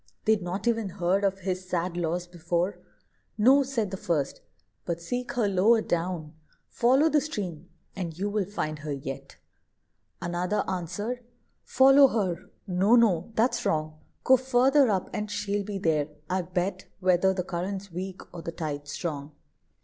They'd not e'en heard of his sad loss before. "No," said the first; "but seek her lower down: Follow the stream, and you will find her yet." Another answer'd: "Follow her! no, no; that's wrong. Go further up, and she'll be there, I bet, Whether the current's weak, or the tide strong."